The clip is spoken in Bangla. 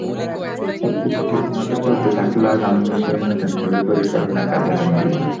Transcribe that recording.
সবকিছু ঠিকমতো চলতে থাকলে আগামী বছরেই নতুন ছবি পরিচালনার কাজে হাত দেব।